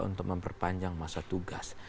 untuk memperpanjang masa tugas